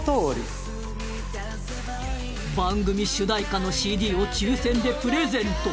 番組主題歌の ＣＤ を抽選でプレゼント